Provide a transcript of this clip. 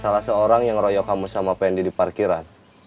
salah seorang yang meroyok kamu sama pendy di parkiran